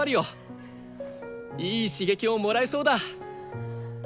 いい刺激をもらえそうだ。